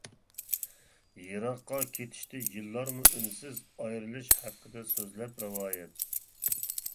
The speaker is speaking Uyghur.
يىراققا كېتىشتى يوللارمۇ ئۈنسىز، ئايرىلىش ھەققىدە سۆزلەپ رىۋايەت.